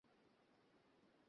তুমি কি কোথাও যেতে পারো না?